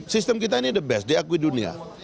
sistem kita ini the best diakui dunia